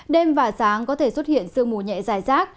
đêm và sáng có thể xuất hiện sương mù nhẹ dài rác